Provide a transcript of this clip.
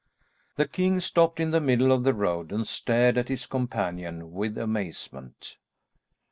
The king stopped in the middle of the road and stared at his companion with amazement.